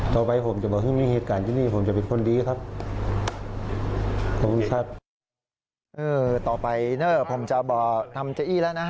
ต่อไปผมจะบอกทำเจ้าอี้แล้วนะฮะ